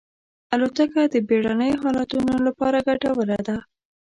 الوتکه د بېړنیو حالتونو لپاره ګټوره ده.